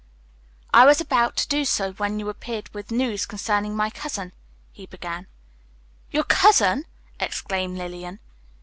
"I was about to do so when you appeared with news concerning my cousin," he began. "Your cousin!" exclaimed Lillian.